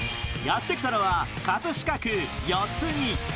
やってきたのは葛飾区四つ木。